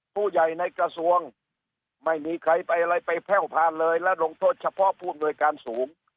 ผู้ใหญ่ในกระทรวงไม่มีใครไปอะไรไปแพ่วผ่านเลยและลงโทษเฉพาะผู้อำนวยการสูง